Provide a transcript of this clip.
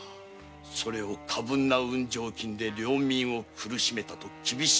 それを過分な運上金で領民を苦しめたと厳しいおとがめ。